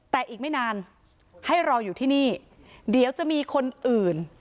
แต่อีกไม่นานให้รออยู่ที่นี่เดี๋ยวจะมีคนอื่น